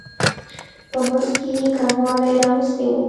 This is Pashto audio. په مزد کې یې کموالی راوستی و.